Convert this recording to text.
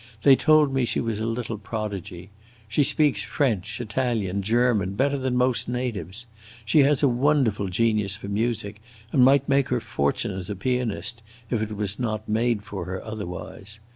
They told me she was a little prodigy. She speaks French, Italian, German, better than most natives. She has a wonderful genius for music, and might make her fortune as a pianist, if it was not made for her otherwise!